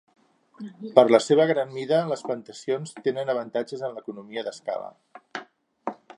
Per la seva gran mida les plantacions tenen avantatges en l'economia d'escala.